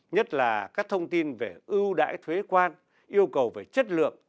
nhất là các thông tin về ưu đãi thuế quan yêu cầu về chất lượng